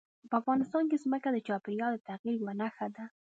په افغانستان کې ځمکه د چاپېریال د تغیر یوه نښه ده.